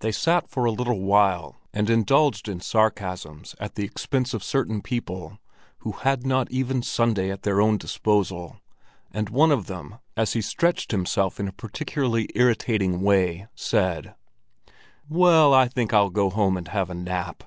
They sat for a little while and indulged in sarcasms at the expense of certain people who had not even Sunday at their own disposal, and one of them, as he stretched himself in a particularly irritating way, said: "Well, I think I'll go home and have a nap.